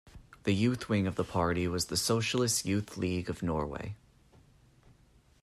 The youth wing of the party was the Socialist Youth League of Norway.